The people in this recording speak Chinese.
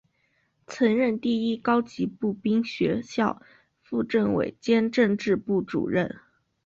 曾任第一高级步兵学校副政委兼政治部主任。